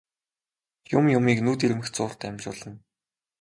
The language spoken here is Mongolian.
Юм юмыг нүд ирмэх зуурт амжуулна.